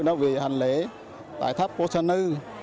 đã về hành lễ tại tháp posa inu